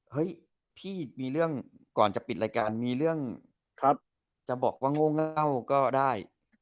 เฮ้ยพี่มีเรื่องก่อนจะปิดรายการมีเรื่องจะบอกว่าโง่เง่าก็ได้